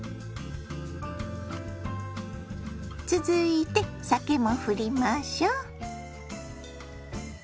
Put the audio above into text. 続いて酒もふりましょ。